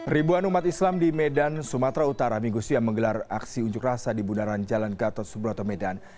ribuan umat islam di medan sumatera utara minggu siang menggelar aksi unjuk rasa di bundaran jalan gatot subroto medan